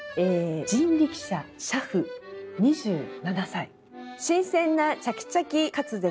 「人力車俥夫２７歳新鮮なチャキチャキ滑舌